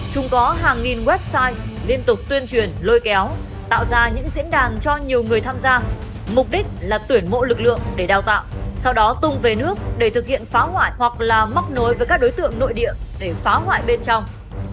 chúng có hàng nghìn website liên tục tuyên truyền lôi kéo tạo ra những diễn đàn cho nhiều người tham gia mục đích là tuyển mộ lực lượng để đào tạo sau đó tung về nước để thực hiện phá hoại hoặc là móc nối với các đối tượng nội địa để phá hoại bên trong